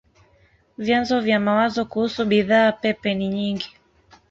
Vyanzo vya mawazo kuhusu bidhaa pepe ni nyingi.